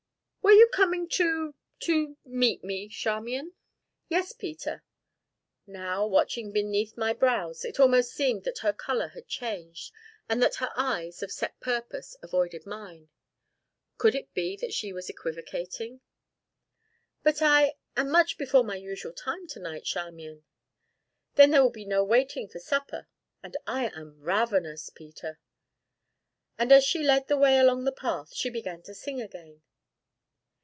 "Were you coming to to meet me, Charmian?" "Yes, Peter." Now, watching beneath my brows, it almost seemed that her color had changed, and that her eyes, of set purpose, avoided mine. Could it be that she was equivocating? "But I am much before my usual time, to night, Charmian." "Then there will be no waiting for supper, and I am ravenous, Peter!" And as she led the way along the path she began to sing again.